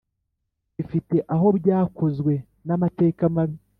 bifite aho byakozweho n ,amateka mabi